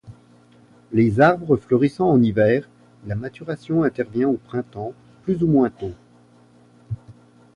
Les arbres fleurissant en hiver, la maturation intervient au printemps plus ou moins tôt.